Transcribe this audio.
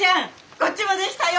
こっちも出来たよ！